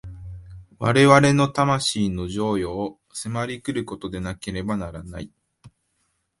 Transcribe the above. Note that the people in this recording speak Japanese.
我々の魂の譲与を迫り来ることでなければならない。